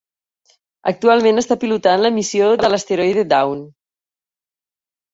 Actualment està pilotant la missió de l'asteroide Dawn.